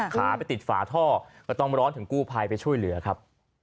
ขาไปติดฝาท่อก็ต้องร้อนถึงกู้ภัยไปช่วยเหลือครับ